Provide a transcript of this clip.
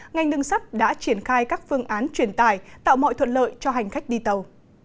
ngành đường sắt đã triển khai các phương án truyền tải tạo mọi thuận lợi cho hành khách đi tàu